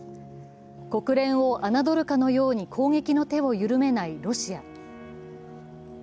国連を侮るかのように攻撃の手を緩めないロシア。